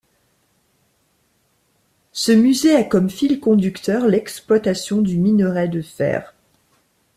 Ce musée à comme fil conducteur l'exploitation du minerai de fer.